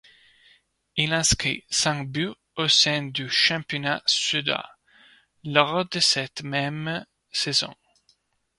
Il inscrit cinq buts au sein du championnat suédois lors de cette même saison.